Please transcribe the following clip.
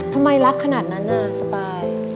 ทำไมรักขนาดนั้นน่ะสบาย